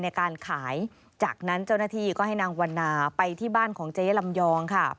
ในการขายจากนั้นเจ้าหน้าที่ก็ให้นางวันนาไปที่บ้านของเจ๊ลำยองค่ะ